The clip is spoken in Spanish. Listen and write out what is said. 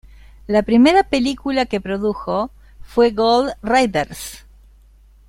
La primera película que produjo fue "Gold Raiders".